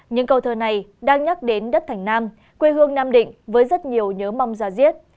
những câu thơ này đang nhắc đến đất thành nam quê hương nam định với rất nhiều nhớ mong ra diết